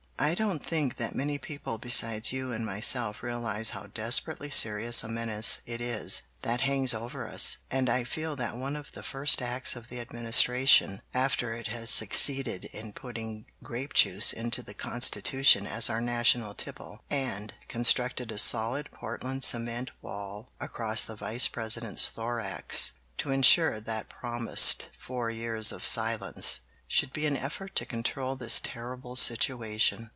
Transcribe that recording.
"I don't think that many people besides you and myself realize how desperately serious a menace it is that hangs over us; and I feel that one of the first acts of the Administration, after it has succeeded in putting grape juice into the Constitution as our national tipple, and constructed a solid Portland cement wall across the Vice President's thorax to insure that promised four years of silence, should be an effort to control this terrible situation."